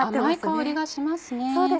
甘い香りがしますね。